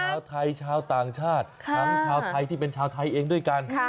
ชาวไทยชาวต่างชาติทั้งชาวไทยที่เป็นชาวไทยเองด้วยกัน